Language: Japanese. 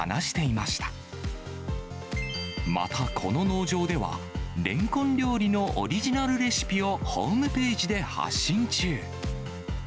また、この農場では、レンコン料理のオリジナルレシピをホームページで発信中。